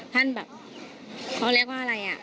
ท่านแบบเขาเรียกว่าอะไรอ่ะ